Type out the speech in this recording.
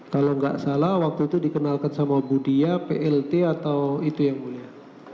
kalau nggak salah waktu itu dikenalkan sama budia plt atau itu yang mulia